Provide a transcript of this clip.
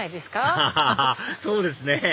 アハハそうですね